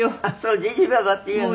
「じいじ」「ばあば」って言うの？